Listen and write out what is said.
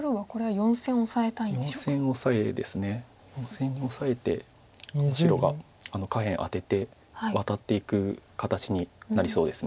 ４線にオサえて白が下辺アテてワタっていく形になりそうです。